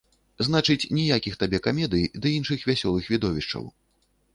Значыць, ніякіх табе камедый ды іншых вясёлых відовішчаў.